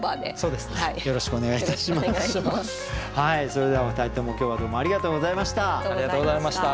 それではお二人とも今日はどうもありがとうございました。